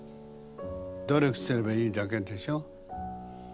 努力すればいいだけでしょ。